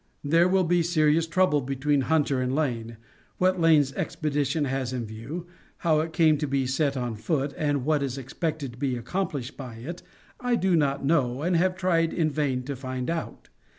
"[A] There will be serious trouble between Hunter and Lane. What Lane's expedition has in view, how it came to be set on foot, and what is expected to be accomplished by it, I do not know and have tried in vain to find out.